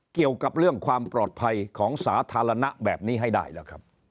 เกี่ยวกับเรื่องความปลอดภัยของสาธารณะแบบนี้ให้ได้แล้วครับ